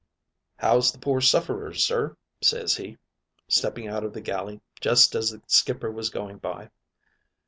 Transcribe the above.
"'How's the pore sufferers, sir?" ses he, stepping out of the galley jest as the skipper was going by.